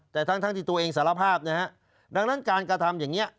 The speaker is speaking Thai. แต่ทั้งที่ตัวเองสารภาพนะฮะดังนั้นการกระทำอย่างนี้